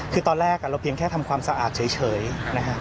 คือตอนแรกเราเพียงแค่ทำความสะอาดเฉยนะฮะ